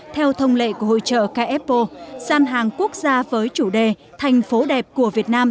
theo thông lệ của hội trợ k apple gian hàng quốc gia với chủ đề thành phố đẹp của việt nam